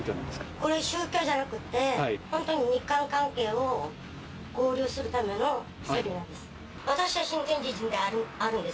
これは宗教じゃなくて、本当に日韓関係を交流するためのセミナーです。